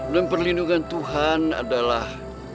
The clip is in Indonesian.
dan perlindungan tuhan adalah